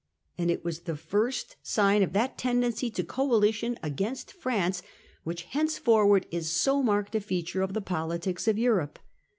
And it was the first sign of that tendency to coalition against France, which hence forward is so marked a feature of the politics of Europe.